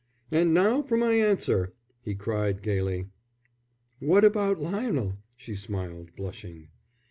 "And now for my answer," he cried, gaily. "What about Lionel?" she smiled, blushing.